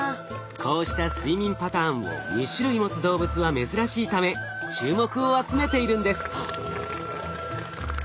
こうした睡眠パターンを２種類持つ動物は珍しいため注目を集めているんです。